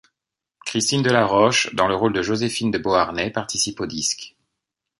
Christine Delaroche, dans le rôle de Joséphine de Beauharnais, participe au disque.